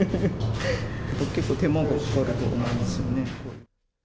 結構手間がかかると思いますよね。